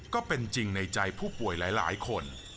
ก็เป็นจริงในใจผู้ป่วยหลายคน